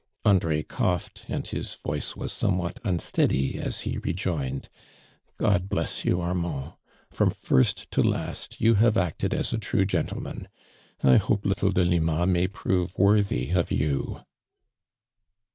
"' Andri' coughed, and his voice was snniowhat unsteady as lie rejoined :" Ood l)less you, Arman<l ! From first to last you liave acted as a true gentleman. I hope little Dolima may prove wortliy of you!"